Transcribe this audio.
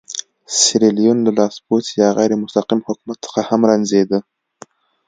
سیریلیون له لاسپوڅي یا غیر مستقیم حکومت څخه هم رنځېده.